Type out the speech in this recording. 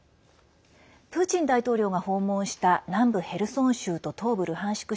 プーチン大統領が訪問した南部ヘルソン州と東部ルハンシク